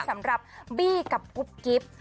สำหรับบี้กับกุ๊บกิ๊บ